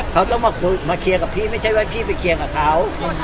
เขาต้องมาคุยมาเคลียร์กับพี่ไม่ใช่ว่าพี่ไปเคลียร์กับเขา